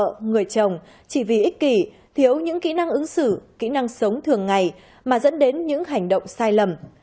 hỗ trợ người chồng chỉ vì ích kỷ thiếu những kỹ năng ứng xử kỹ năng sống thường ngày mà dẫn đến những hành động sai lầm